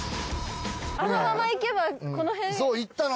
あのままいけばこのへん。